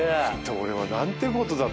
俺は何てことだと。